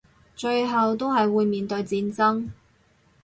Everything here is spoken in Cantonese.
最後都係會面對戰爭